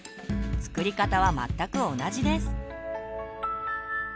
作り方は全く同じです。